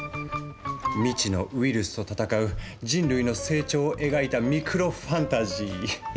未知のウイルスと戦う人類の成長を描いたミクロファンタジー。